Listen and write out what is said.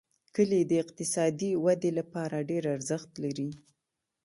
کلي د اقتصادي ودې لپاره ډېر ارزښت لري.